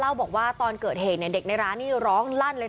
บอกว่าตอนเกิดเหตุเนี่ยเด็กในร้านนี่ร้องลั่นเลย